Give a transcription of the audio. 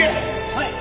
はい！